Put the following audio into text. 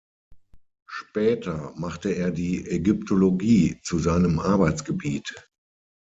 Später machte er die Ägyptologie zu seinem Arbeitsgebiet.